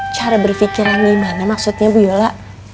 cara berpikiran gimana maksudnya bu yola